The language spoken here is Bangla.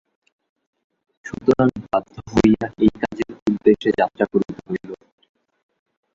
সুতরাং বাধ্য হইয়া এই কাজের উদ্দেশে যাত্রা করিতে হইল।